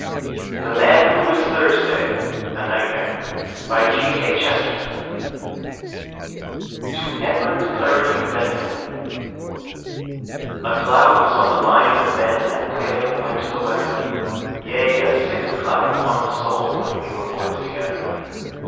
THE MAN WHO WAS THURSDAY A NIGHTMARE To Edmund Clerihew Bentley A cloud was on the mind of men, and wailing went the weather, Yea, a sick cloud upon the soul when we were boys together.